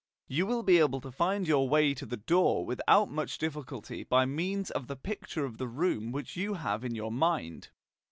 You will be able to find your way to the door without much difficulty by means of the picture of the room which you have in your mind.